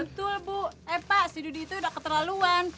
betul bu eh pak si dudik itu udah keterlaluan